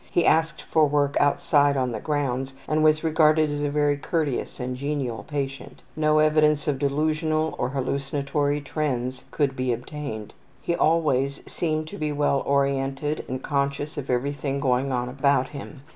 He asked for work outside on the grounds and was regarded as a very courteous and genial patient. No evidence of delusional or hallucinatory trends could be obtained. He always seemed to be well oriented and conscious of everything going on about him.